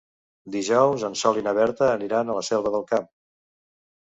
Dijous en Sol i na Berta aniran a la Selva del Camp.